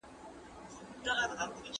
ولې قومونه یو له بل سره توپیر لري؟